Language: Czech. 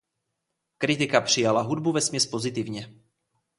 Kritika přijala hudbu vesměs pozitivně.